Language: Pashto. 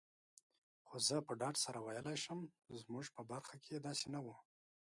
خو زه په ډاډ سره ویلای شم، زموږ په برخه کي داسي نه وو.